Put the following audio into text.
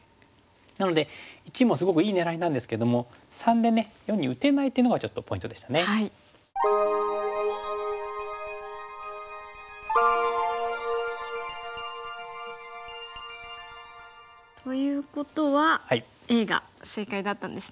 なので①もすごくいい狙いなんですけども③でね④に打てないっていうのがちょっとポイントでしたね。ということはＡが正解だったんですね。